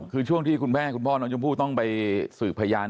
คือช่วงที่คุณแม่คุณพ่อน้องชมพู่ต้องไปสืบพยาน